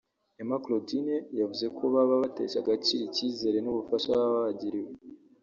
Emma Claudine yavuze ko baba batesha agaciro icyizere n’ububasha baba bagiriwe